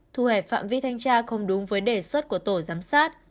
thu hẹp phạm vi thanh tra không đúng với đề xuất của tổ giám sát